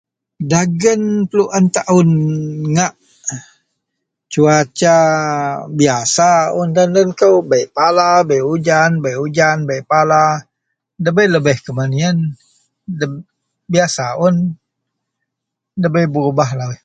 dagen peluen taun ngak cuaca biasa un tan den kou bei pala bei ujan bei ujan bei pala debei lebih kuman ien deb biasa un debei berubah lauih